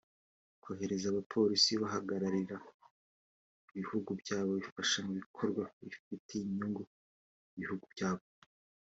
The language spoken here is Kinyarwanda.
kohereza abapolisi bahagararira ibihugu byabo bafasha mu bikorwa bifitiye inyungu ibihugu byabo